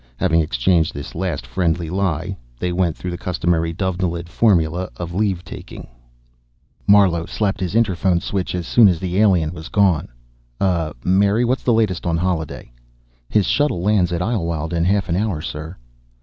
Having exchanged this last friendly lie, they went through the customary Dovenilid formula of leave taking. Marlowe slapped his interphone switch as soon as the alien was gone. "Uh ... Mary, what's the latest on Holliday?" "His shuttle lands at Idlewild in half an hour, sir."